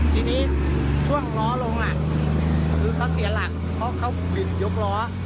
ทีนี้ช่วงล้อลงคือเขาเสียหลักเพราะเขาวินยกล้อ